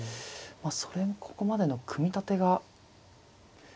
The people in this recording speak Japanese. それもここまでの組み立てが。